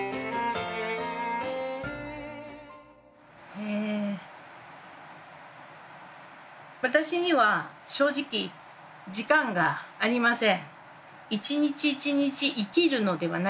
えー私には正直時間がありません。